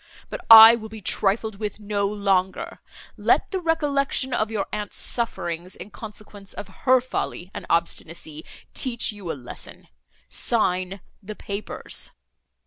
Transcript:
But I will be trifled with no longer: let the recollection of your aunt's sufferings, in consequence of her folly and obstinacy, teach you a lesson.—Sign the papers."